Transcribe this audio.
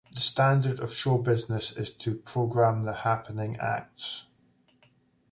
The standard of show business is to program the happening acts.